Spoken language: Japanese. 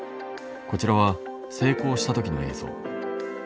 こちらは成功した時の映像。